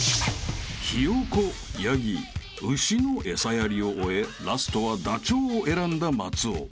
［ひよこヤギ牛の餌やりを終えラストはダチョウを選んだ松尾］